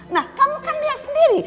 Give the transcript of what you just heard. nah kamu kan lihat sendiri